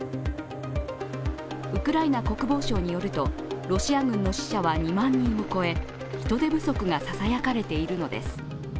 ウクライナ国防省によるとロシア軍の死者は２万人を超え人手不足がささやかれているのです。